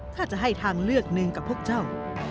ถ้าจะให้ทางเลือกหนึ่งกับพวกเจ้า